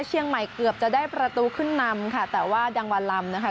เชียงใหม่เกือบจะได้ประตูขึ้นนำค่ะแต่ว่าดังวันลำนะคะ